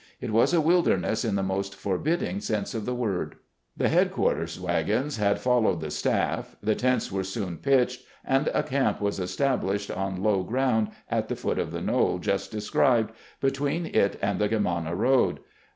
It was a wilderness in the most forbidding sense of the word. The headquarters wagons had followed the staff, the tents were soon pitched, and a camp was established on low ground at the foot of the knoU just described, be tween it and the Germanna road.